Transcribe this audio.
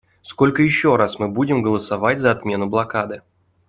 Сколько еще раз мы будем голосовать за отмену блокады?